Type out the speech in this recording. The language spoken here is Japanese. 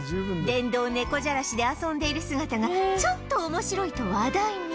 電動猫じゃらしで遊んでいる姿がちょっと面白いと話題に